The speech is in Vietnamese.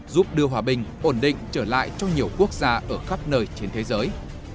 giúp đưa hòa bình ổn định trở lại cho nhiều quốc gia ở khắp nơi trên thế giới